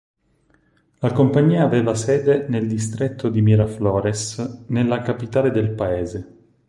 La compagnia aveva sede nel distretto di Miraflores nella capitale del paese.